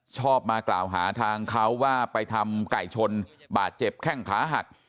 ชอบมากล่าวหาทางเขาว่าไปทำไก่ชนบาดเจ็บแข้งขาหัก